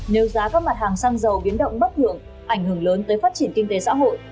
nếu giá các mặt hàng xăng dầu biến động bất thường ảnh hưởng lớn tới phát triển kinh tế xã hội